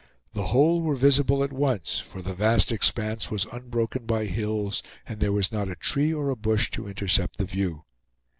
The whole were visible at once, for the vast expanse was unbroken by hills, and there was not a tree or a bush to intercept the view.